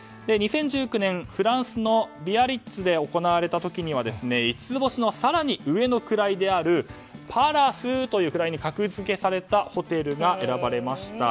２０１９年フランスのビアリッツで行われた時は五つ星の更に上の位であるパラスという位に格付けされたホテルが選ばれました。